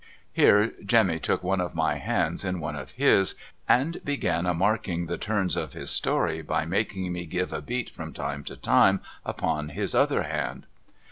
Here Jemmy took one of my hands in one of his, and began a marking the turns of his story by making me give a beat from time to time upon his other hand.